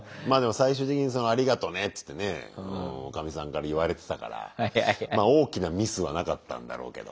最終的に「ありがとね」っつってねおかみさんから言われてたから大きなミスはなかったんだろうけど。